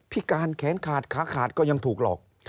พิการแขนขาดขาขาดก็ยังถูกหลอก